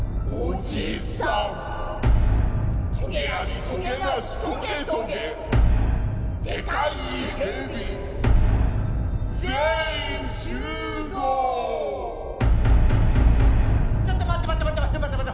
ちょっと待って待って待って待って！